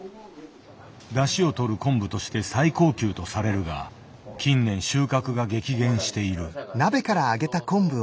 だしをとる昆布として最高級とされるが近年収穫が激減している。